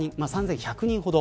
３１００人ほど。